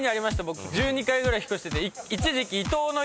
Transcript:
僕１２回ぐらい引っ越してて。